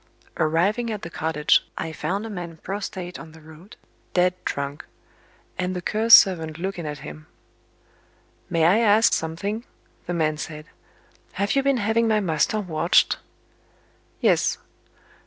Arriving at the cottage, I found a man prostate on the road, dead drunk and the Cur's servant looking at him. "May I ask something?" the man said. "Have you been having my master watched?" "Yes."